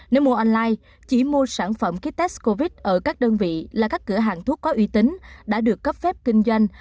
nếu mua online chỉ mua sản phẩm kit test covid ở các đơn vị là các cửa hàng thuốc có uy tín đã được cấp phép kinh doanh